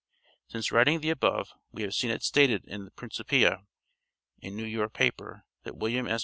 Since writing the above, we have seen it stated in the Principia, a New York paper, that William S.